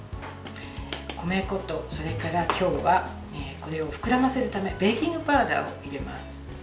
米粉と、それから今日はこれを膨らませるためベーキングパウダーを入れます。